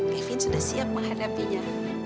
kevin sudah siap menghadapinya